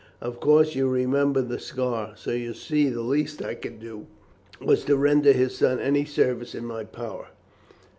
Of course, you remember the scar. So you see the least I could do, was to render his son any service in my power.